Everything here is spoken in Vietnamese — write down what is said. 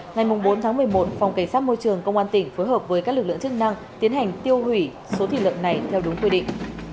ngày bốn một mươi một phòng cảnh sát môi trường công an tỉnh phối hợp với các lực lượng chức năng tiến hành tiêu hủy số thịt lợn này theo đúng quy định